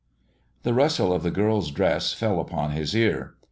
The rustle of the girl's dress fell upon his ear.